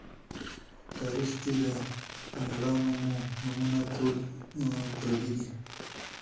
تاریخ کښې د مــړانو مـو نومــونه ټول پردي دي